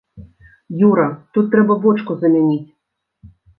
Юра, тут трэба бочку замяніць!